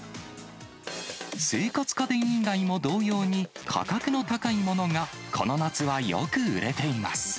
生活家電以外も同様に、価格の高いものがこの夏はよく売れています。